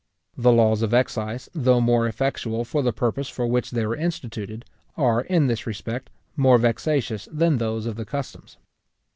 The laws of excise, though more effectual for the purpose for which they were instituted, are, in this respect, more vexatious than those of the customs.